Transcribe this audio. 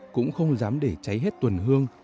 cũng không dám để cháy hết tuần hương